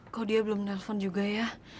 kok dia belum nelfon juga ya